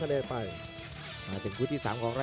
กันต่อแพทย์จินดอร์